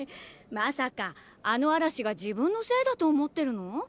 まさかあのあらしが自分のせいだと思ってるの？